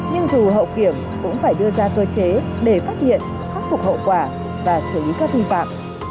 nhưng dù hậu kiểm cũng phải đưa ra cơ chế để phát hiện khắc phục hậu quả và xử lý các vi phạm